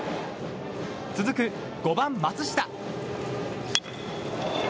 続く５番、松下。